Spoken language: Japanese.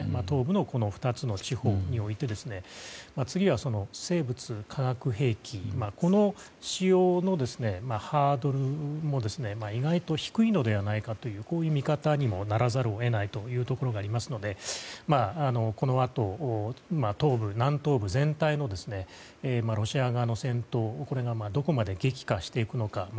東部の２つの地方において次は生物・化学兵器の使用のハードルも意外と低いのではないかという見方にもならざるを得ないというところがありますのでこのあと、東部、南東部全体のロシア側の戦闘これがどこまで激化していくのか